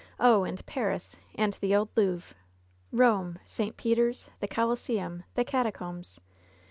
Oh! and Paris, and the old Louvre !— ^Rome ! St. Peter's ! the Coliseum ! the Catacombs!